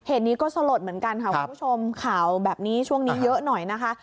เหตุนี้ก็สลดเหมือนกันค่ะคุณผู้ชมข่าวแบบนี้ช่วงนี้เยอะหน่อยนะคะ